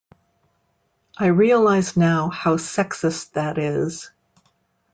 I realize now how sexist that is.